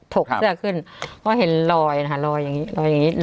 ถกเสื้อขึ้นก็เห็นลอยนะคะลอยอย่างนี้